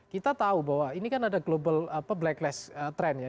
kita tahu bahwa ini kan ada global blacklist trend ya